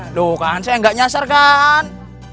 aduh kan saya nggak nyasar kan